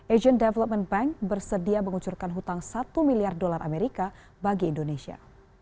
asian development bank bersedia mengucurkan hutang satu miliar dolar amerika bagi indonesia